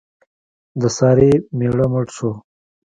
د سارې مېړه مړ شو.